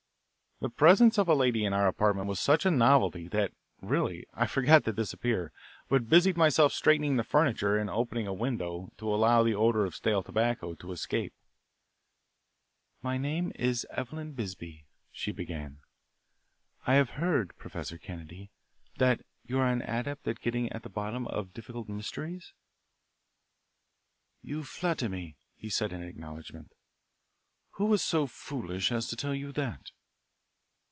The presence of a lady in our apartment was such a novelty that really I forgot to disappear, but busied myself straightening the furniture and opening a window to allow the odour of stale tobacco to escape. "My name is Eveline Bisbee," she began. "I have heard, Professor Kennedy, that you are an adept at getting at the bottom of difficult mysteries." "You flatter me;" he said in acknowledgment. "Who was so foolish as to tell you that?"